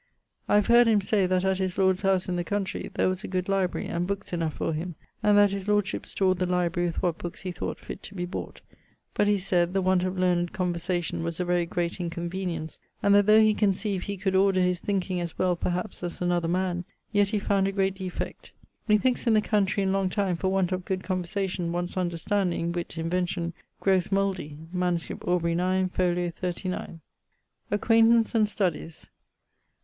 I have heard him say, that at his lord's house in the countrey there was a good library, and bookes enough for him, and that his lordship stored the library with what bookes he thought fitt to be bought; but he sayd, the want of learned conversation[CXI.] was a very great inconvenience, and that though he conceived he could order his thinking as well perhaps as another man, yet he found a great defect. [CXI.] Methinkes in the country, in long time, for want of good conservation, one's understanding (witt, invention) growes mouldy. MS. Aubr. 9, fol. 39ᵛ. <_Acquaintance and studies.